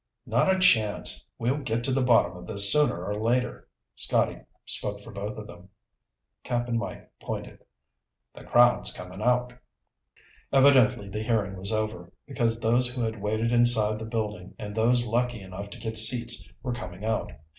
"Not a chance. We'll get to the bottom of this sooner or later." Scotty spoke for both of them. Cap'n Mike pointed. "The crowd's coming out." Evidently the hearing was over, because those who had waited inside the building and those lucky enough to get seats were coming out.